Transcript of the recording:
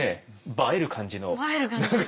映える感じの。